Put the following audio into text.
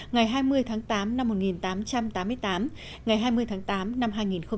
ngày hai mươi tháng tám năm một nghìn tám trăm tám mươi tám ngày hai mươi tháng tám năm hai nghìn một mươi chín